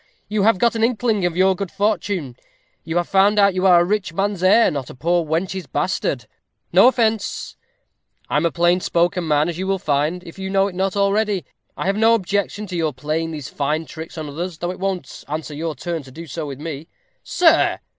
You have got an inkling of your good fortune. You have found out you are a rich man's heir, not a poor wench's bastard. No offence; I'm a plain spoken man, as you will find, if you know it not already. I have no objection to your playing these fine tricks on others, though it won't answer your turn to do so with me." "Sir!"